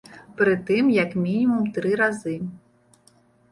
Прытым як мінімум тры разы.